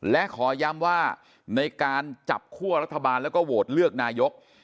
และขอย้ำว่าในการจับคั่วรัฐบาลแล้วก็โหวตเลือกนายก